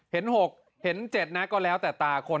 เห็น๖เห็น๗นะก็แล้วแต่ตาคน